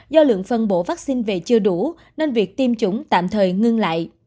do lượng phân bổ vaccine về chưa đủ nên việc tiêm chủng tạm thời ngưng lại